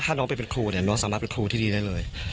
ถ้าน้องไปเป็นครูเนี่ยน้องสามารถเป็นครูที่ดีได้เลย